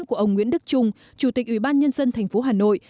của ông nguyễn đức trung chủ tịch ubnd tp hà nội